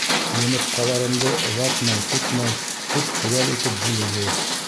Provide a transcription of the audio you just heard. Йомортҡаларымды ватмай-түкмәй, теп-теүәл итеп бүлегеҙ!